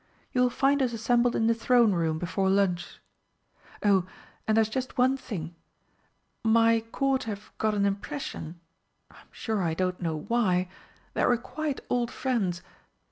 You will find us assembled in the Throne Room before lunch.... Oh, and there's just one thing. My Court have got an impression I'm sure I don't know why that we're quite old friends.